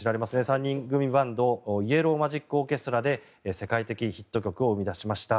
３人組バンドイエロー・マジック・オーケストラで世界的ヒット曲を生み出しました。